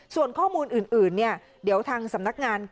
ส่วนข้อมูลอื่นเนี่ยเดี๋ยวทางสำนักงาน